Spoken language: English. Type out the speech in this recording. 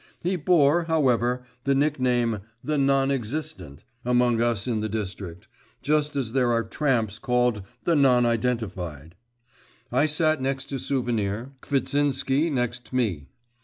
He bore, however, the nickname 'the non existent' among us in the district, just as there are tramps called 'the non identified.' I sat next Souvenir, Kvitsinsky next me.